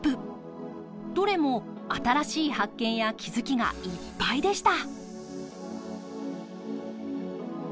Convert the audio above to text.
どれも新しい発見や気付きがいっぱいでした。